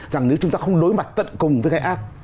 rằng nếu chúng ta không đối mặt tận cùng với cái ác